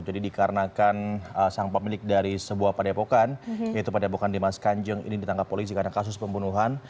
jadi dikarenakan sang pemilik dari sebuah padepokan yaitu padepokan dimas kanjeng ini ditangkap polisi karena kasus pembunuhan